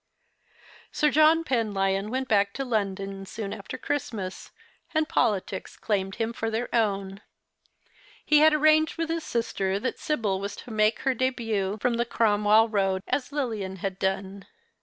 Sir John Penlyon went back to London soon after Christmas, and politics claimed him for their own. He had arranged with his sister that Sibyl Avas to make her dehut from the Cromwell Eoad as Lilian had done.